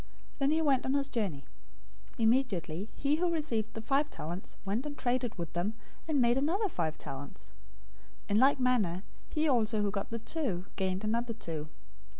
Then he went on his journey. 025:016 Immediately he who received the five talents went and traded with them, and made another five talents. 025:017 In like manner he also who got the two gained another two.